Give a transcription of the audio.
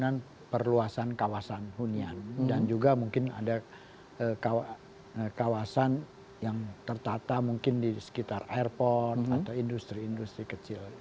dengan perluasan kawasan hunian dan juga mungkin ada kawasan yang tertata mungkin di sekitar airport atau industri industri kecil